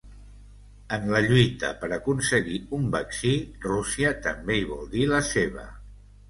En la lluita per aconseguir un vaccí, Rússia també hi vol dir la seva.